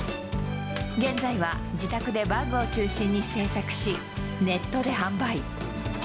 現在は自宅でバッグを中心に製作し、ネットで販売。